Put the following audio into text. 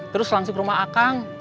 terus langsung rumah akang